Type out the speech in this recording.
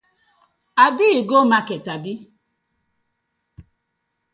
Abi you go market abi?